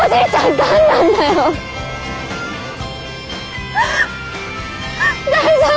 大丈夫？